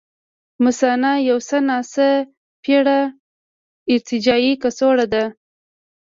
مثانه یو څه ناڅه پېړه ارتجاعي کڅوړه ده.